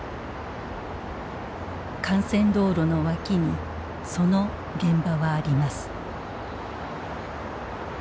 幹線道路の脇にその現場はあります。